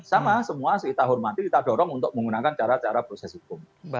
sama semua kita hormati kita dorong untuk menggunakan cara cara proses hukum